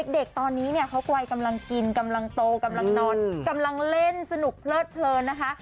เด็กตอนนี้เนี่ยเขาไกลกำลังกินกำลังโตกำลังนอนกำลังเล่นสนุกเพลิดเพลินนะคะ